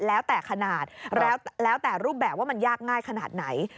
แล้วแต่ขนาดแล้วแต่รูปแบบว่ามันยากง่ายขนาดไหน